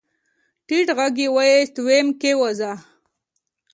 ټيټ غږ يې واېست ويم کېوځه.